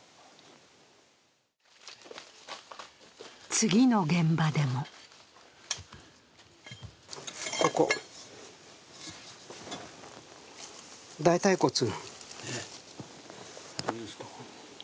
次の現場でもここ、大たい骨です。